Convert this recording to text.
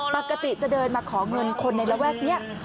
ปกติจะเดินมาขอเงินคนในระแวกนี้